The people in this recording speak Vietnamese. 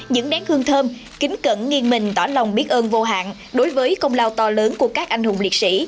những nén hương thơm kính cận nghiêng mình tỏ lòng biết ơn vô hạn đối với công lao to lớn của các anh hùng liệt sĩ